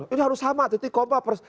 ini harus sama titik kompa